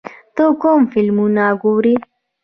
ته کوم فلمونه ګورې؟